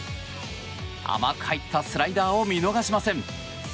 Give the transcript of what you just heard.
甘く入ったスライダーを見逃しません。